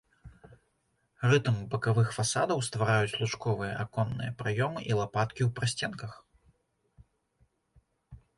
Рытм бакавых фасадаў ствараюць лучковыя аконныя праёмы і лапаткі ў прасценках.